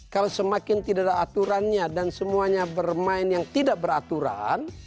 kalau semakin tidak ada aturannya dan semuanya bermain yang tidak beraturan